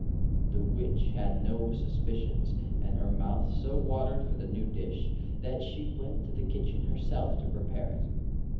The Witch had no suspicions, and her mouth so watered for the new dish, that she went to the kitchen herself to prepare it.